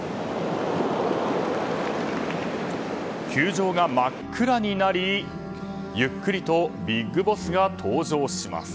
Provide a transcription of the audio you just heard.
球場が真っ暗になり、ゆっくりとＢＩＧＢＯＳＳが登場します。